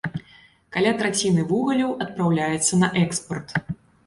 Каля траціны вугалю адпраўляецца на экспарт.